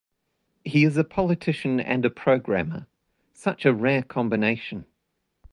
He is a politician and a programmer. Such a rare combination.